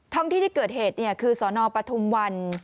ห้องที่ที่เกิดเหตุคือสนปทุมวัน